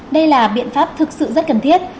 đây là biện pháp thực sự rất cần thiết